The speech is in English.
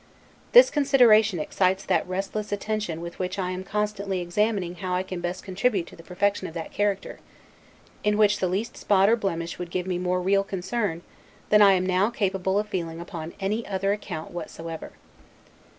This consideration excites that restless attention with which I am constantly examining how I can best contribute to the perfection of that character, in which the least spot or blemish would give me more real concern, than I am now capable of feeling upon any other account whatsoever.